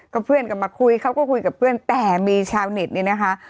ก็เพื่อนก็มาคุยเขาก็คุยกับเพื่อนแต่มีชาวเน็ตเนี่ยนะคะ